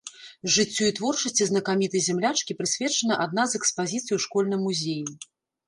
Жыццю і творчасці знакамітай зямлячкі прысвечана адна з экспазіцый у школьным музеі.